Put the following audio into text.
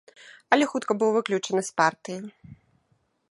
Але хутка быў выключаны з партыі.